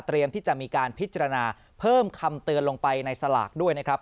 ที่จะมีการพิจารณาเพิ่มคำเตือนลงไปในสลากด้วยนะครับ